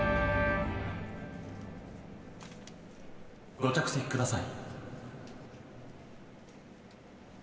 ご着席ください。